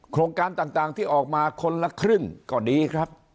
โครงการต่างที่ออกมาคนละครึ่งก็ดีครับ